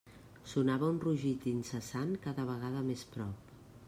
Sonava un rugit incessant cada vegada més prop.